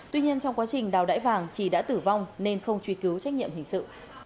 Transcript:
tuy nhiên trong quá trình đảo đáy vàng trì đã tử vong nên không truy cứu trách nhiệm hình sự